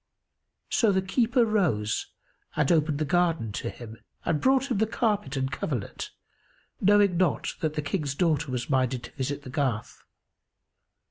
So the keeper rose and opened the garden to him, and brought him the carpet and coverlet, knowing not that the King's daughter was minded to visit the garth.